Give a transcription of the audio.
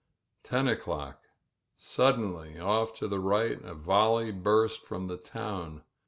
Ten o'clock. Suddenly off to the right a volley burst from the town.